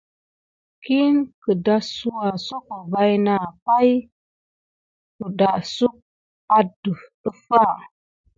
Kine takisoya soko bana pay kedaba def metikut wake sok def.